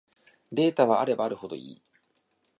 データはあればあるほどいい